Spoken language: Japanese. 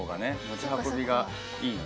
持ち運びがいい。